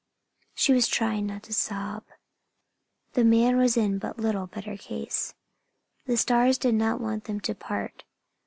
She was trying not to sob. The man was in but little better case. The stars did not want them to part.